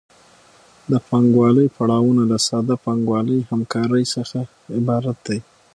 د پانګوالي پړاوونه له ساده پانګوالي همکارۍ څخه عبارت دي